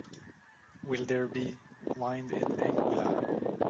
Will there be wind in Anguilla?